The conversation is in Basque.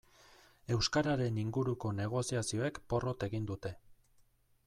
Euskararen inguruko negoziazioek porrot egin dute.